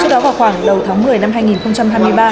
trước đó vào khoảng đầu tháng một mươi năm hai nghìn hai mươi ba